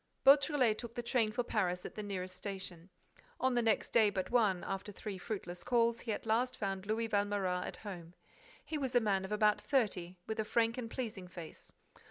Beautrelet took the train for Paris at the nearest station. On the next day but one, after three fruitless calls, he at last found Louis Valméras at home. He was a man of about thirty, with a frank and pleasing face.